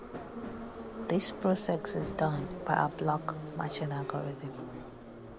This process is done by a block matching algorithm.